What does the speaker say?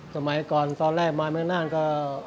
สมัยก่อนตอนแรกมาเมืองน่านก็